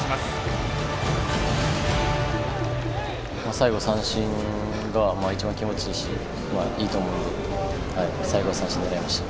最後三振が一番気持ちいいしいいと思うので最後は三振を狙いました。